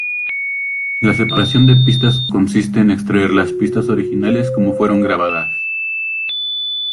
La separación de pistas consiste en extraer las pistas originales como fueron grabadas.